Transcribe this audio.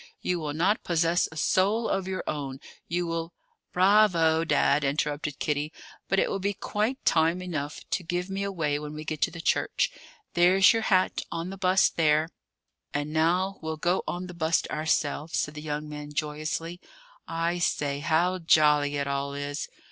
You will not possess a soul of your own; you will " "Bravo, Dad!" interrupted Kitty. "But it will be quite time enough to give me away when we get to the church. There's your hat, on the bust there." "And now we'll go on the bust ourselves," said the young man joyously. "I say, how jolly it all is!